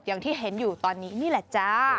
อย่างที่เห็นอยู่ตอนนี้นี่แหละจ้า